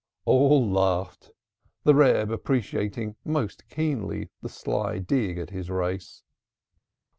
'" All laughed, the Reb appreciating most keenly the sly dig at his race.